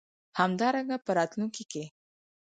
همدارنګه په راتلونکې کې